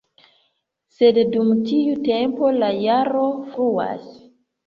Sed dum tiu tempo la jaroj fluas.